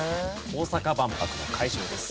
大阪万博の会場です。